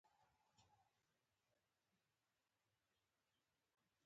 دوی د دکن او لکنهو د دربارونو ذکر کړی دی.